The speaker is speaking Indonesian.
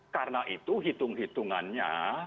karena itu hitung hitungannya